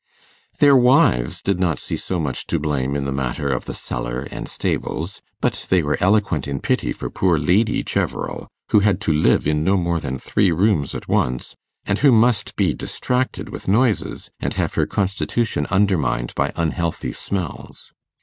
Their wives did not see so much to blame in the matter of the cellar and stables, but they were eloquent in pity for poor Lady Cheverel, who had to live in no more than three rooms at once, and who must be distracted with noises, and have her constitution undermined by unhealthy smells.